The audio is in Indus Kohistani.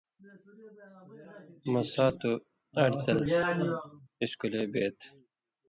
مہ ساتُو اَئیڑ تل اِسکُلے بَیت۔